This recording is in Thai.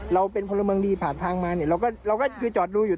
เราเป็นพลเมืองดีผ่านทางมาเนี่ยเราก็คือจอดดูอยู่